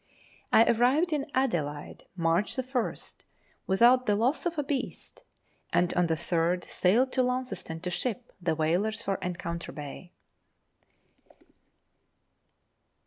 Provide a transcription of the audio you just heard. I arrived in Adelaide, March 1st, without the loss of a beast,. and on the 3rd sailed to Launceston to ship the whalers for Encounter Bay.